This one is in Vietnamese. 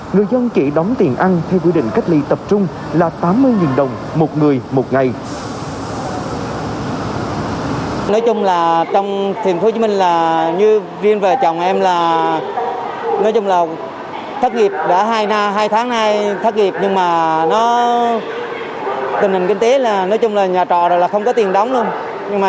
người dân chỉ đóng tiền ăn theo quy định cách ly tập trung là tám mươi đồng một người một ngày